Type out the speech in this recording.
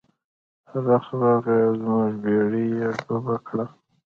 رخ راغی او زموږ بیړۍ یې ډوبه کړه.